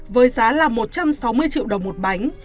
với giá là một trăm sáu mươi triệu đồng một bánh